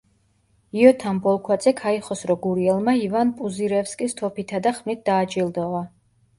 იოთამ ბოლქვაძე ქაიხოსრო გურიელმა ივან პუზირევსკის თოფითა და ხმლით დააჯილდოვა.